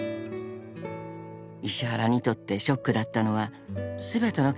［石原にとってショックだったのは全ての価値観が一変し